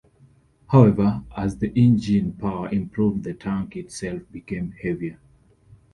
However, as the engine power improved the tank itself became heavier.